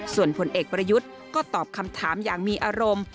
ส่วนผลเอกประยุทธ์ก็ตอบคำถามอย่างมีอารมณ์